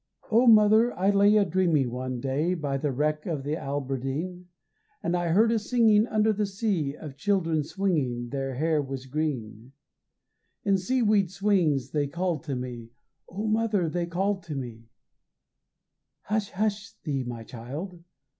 "Oh, mother, I lay A dreaming one day By the wreck of the Alberdeen, And I heard a singing Under the sea Of children swinging Their hair was green! In seaweed swings, and they called to me Oh, mother, they called to me" "Hush, hush thee, my child!